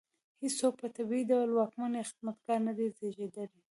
هېڅوک په طبیعي ډول واکمن یا خدمتګار نه دی زېږېدلی.